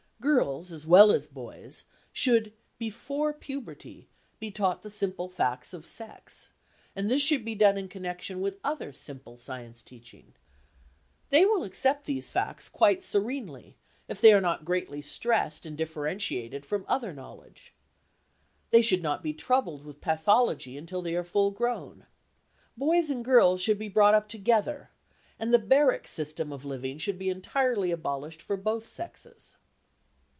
Girls, as well as boys, should, before puberty, be taught the simple facts of sex, and this should be done in connection with other simple science teaching. They will accept these facts quite serenely, if they are not greatly stressed and differentiated from other knowledge. They should not be troubled with pathology until they are full grown. Boys and girls should be brought up together, and the barrack system of living should be entirely abolished for both sexes.